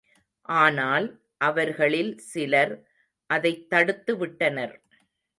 ஆனால், அவர்களில் சிலர் அதைத் தடுத்து விட்டனர்.